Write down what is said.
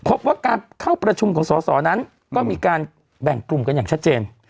พบว่าการเข้าประชุมของสอสอนั้นก็มีการแบ่งกลุ่มกันอย่างชัดเจน